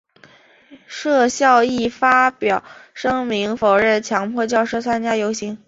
设校亦发表声明否认强迫教师参加游行。